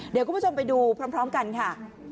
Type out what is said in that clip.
เดี๋ยวคุณผู้ชมไปดูพร้อมกันค่ะ